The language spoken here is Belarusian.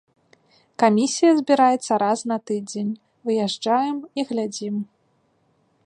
Камісія збіраецца раз на тыдзень, выязджаем і глядзім.